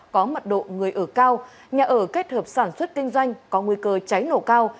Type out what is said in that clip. có mật độ người ở cao nhà ở kết hợp sản xuất kinh doanh có nguy cơ cháy nổ cao